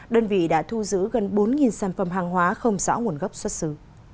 đơn vị đã thu giữ gần bốn sản phẩm hàng hóa không rõ nguồn gốc xuất xứ